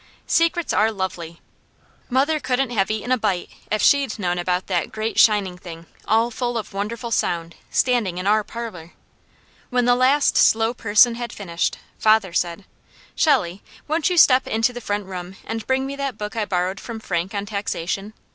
Secrets are lovely. Mother couldn't have eaten a bite if she'd known about that great shining thing, all full of wonderful sound, standing in our parlour. When the last slow person had finished, father said: "Shelley, won't you step into the front room and bring me that book I borrowed from Frank on 'Taxation.'